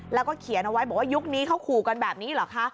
แล้วก็เขียนเอาไว้บอกว่ายุคนี้เขาขู่กันแบบนี้เหรอคะ